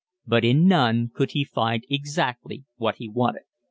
But in none could he find exactly what he wanted.